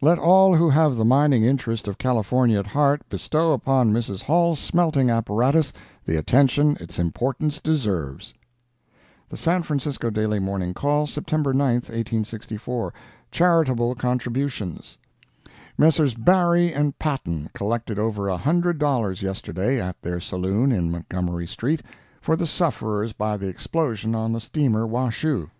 Let all who have the mining interest of California at heart, bestow upon Mrs. Hall's smelting apparatus the attention its importance deserves. The San Francisco Daily Morning Call, September 9, 1864 CHARITABLE CONTRIBUTIONS Messrs. Barry & Patten collected over a hundred dollars yesterday, at their saloon in Montgomery street, for the sufferers by the explosion on the steamer Washoe.